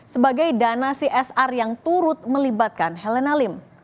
sebagai dana csr yang turut melibatkan helena lim